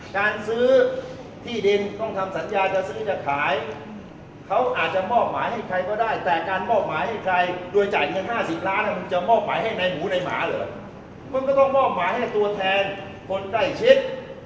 การซื้อที่ดินต้องทำสัญญาจะซื้อจะขายเขาอาจจะมอบหมายให้ใครก็ได้แต่การมอบหมายให้ใครโดยจ่ายเงิน๕๐ล้านมันจะมอบหมายให้ในหมูในหมาเหรอมันก็ต้องมอบหมายให้ตัวแทนคนใกล้ชิด